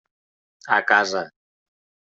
A casa.